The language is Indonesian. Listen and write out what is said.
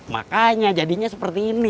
makanya jadinya seperti ini